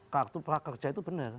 kartu prakerja itu benar